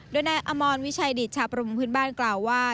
ด้วยหน้าอมอนวิชัยดิชประพฤบุลพื้นบ้านกล่าวว่า